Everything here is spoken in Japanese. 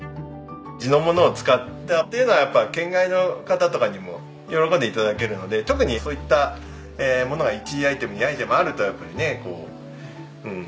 地のものを使ったっていうのはやっぱり県外の方とかにも喜んで頂けるので特にそういったものが１アイテム２アイテムあるとやっぱりねうん。